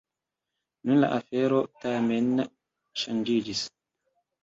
Nun la afero tamen ŝanĝiĝis.